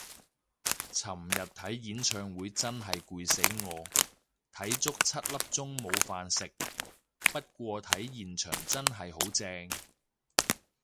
尋日睇演唱會真係攰死我，睇足七粒鐘冇飯食，不過睇現場真係好正